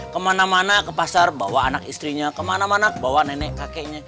kemana mana ke pasar bawa anak istrinya kemana mana bawa nenek kakeknya